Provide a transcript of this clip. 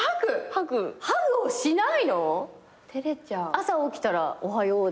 朝起きたらおはようだよ。